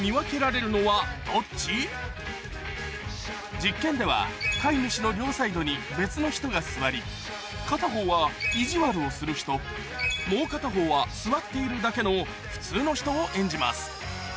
実験では飼い主の両サイドに別の人が座り片方はいじわるをする人もう片方は座っているだけの普通の人を演じます